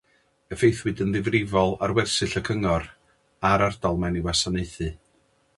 Effeithiwyd yn ddifrifol ar wersyll y Cyngor a'r ardal mae'n ei gwasanaethu.